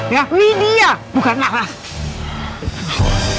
ya widya bukan laras